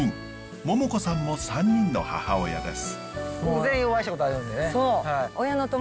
モモコさんも３人の母親です。